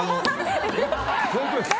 本当です。